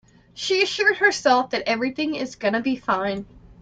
She assured herself that everything is gonna be fine.